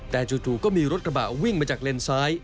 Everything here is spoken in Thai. แต่จู่ก็มีรถกระบะวิ่งมาจากเลนซ้าย